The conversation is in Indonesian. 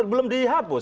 kan belum dihapus